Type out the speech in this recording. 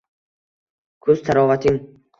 Kuz tarovating